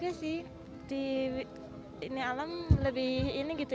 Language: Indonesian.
dirasa lebih aman di kala pandemi